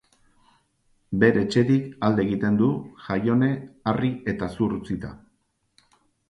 Bere etxetik alde egiten du, Jaione harri eta zur utzita.